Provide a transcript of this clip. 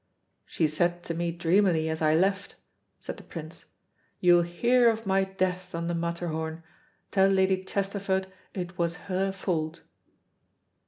"She said to me dreamily as I left," said the Prince, "'You'll hear of my death on the Matterhorn. Tell Lady Chesterford it was her fault.'"